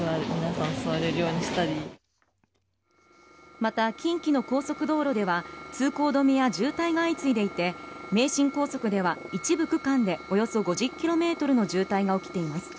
また、近畿の高速道路では通行止めや渋滞が相次いでいて名神高速では一部区間でおよそ５０ｋｍの渋滞が起きています。